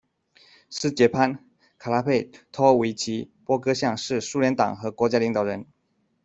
斯捷潘·卡拉佩托维奇·波戈相是苏联党和国家领导人。